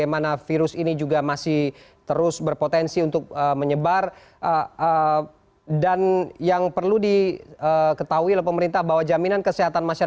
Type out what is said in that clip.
menjawab ini bagaimana mas